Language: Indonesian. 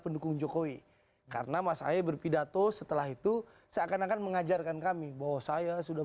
pendukung jokowi karena mas ahy berpidato setelah itu seakan akan mengajarkan kami bahwa saya sudah